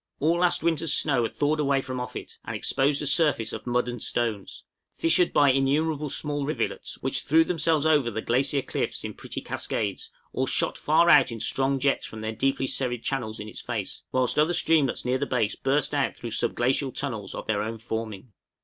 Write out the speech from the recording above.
All last winter's snow had thawed away from off it and exposed a surface of mud and stones, fissured by innumerable small rivulets, which threw themselves over the glacier cliffs in pretty cascades, or shot far out in strong jets from their deeply serried channels in its face; whilst other streamlets near the base burst out through sub glacial tunnels of their own forming.